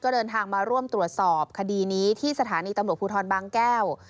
เดินทางมาร่วมตรวจสอบคดีนี้ที่สถานีตำรวจภูทรบางแก้ว